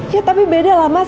ya tapi beda lah mas